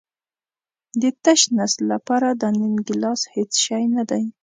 د تش نس لپاره دا نیم ګیلاس هېڅ شی نه دی.